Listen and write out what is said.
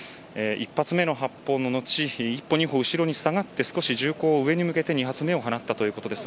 １発目の発砲の後一歩二歩後ろに下がって少し銃口を上に上げて２発目を放ったということです